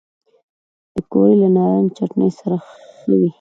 پکورې له نارنج چټني سره ښه وي